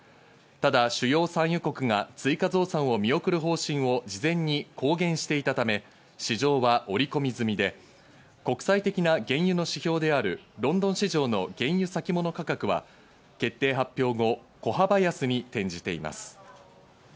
ただ主要産油国が追加増産を見送る方針を事前に公言していたため、市場は織り込み済みで、国際的な原油の指標であるロンドン市場の原油先物価格は決定発表後、小幅安に転じています。